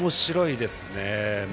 おもしろいですね。